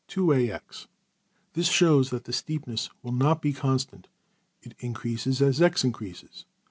25in]{097b} This shows that the steepness will not be constant: it increases as $x$~increases.